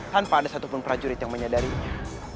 tanpa ada satupun prajurit yang menyadarinya